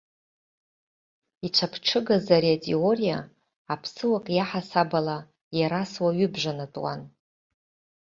Ицәаԥҽыгаз ари атеориа, аԥсыуак иаҳасабала, иара суаҩыбжанатәуан.